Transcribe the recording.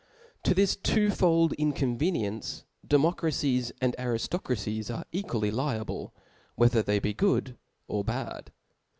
To this twofold inconveniency Democracies and Ariftocracies ^re equally liable, whether they be good or bad.